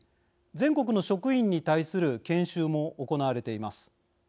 全国の職員に対する研修も行われています。